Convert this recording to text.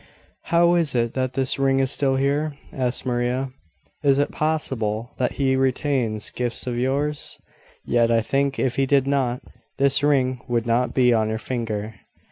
"How is it that this ring is still here?" asked Maria. "Is it possible that he retains gifts of yours? Yet, I think, if he did not, this ring would not be on your finger."